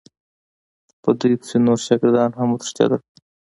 په دوی پسې نور شاګردان هم وتښتېدل.